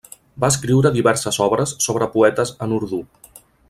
Va escriure diverses obres sobre poetes en urdú.